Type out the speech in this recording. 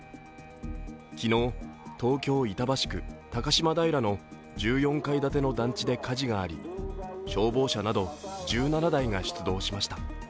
昨日、東京・板橋区高島平の１４階建ての団地で火事があり消防車など１７台が出動しました。